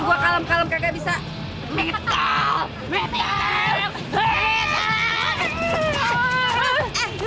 gua kalem kalem kagak bisa mitra mita